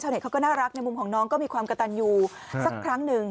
เต็เขาก็น่ารักในมุมของน้องก็มีความกระตันอยู่สักครั้งหนึ่ง